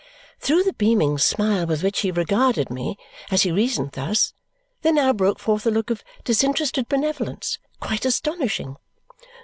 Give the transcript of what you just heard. Through the beaming smile with which he regarded me as he reasoned thus, there now broke forth a look of disinterested benevolence quite astonishing.